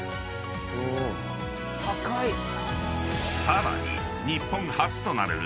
［さらに］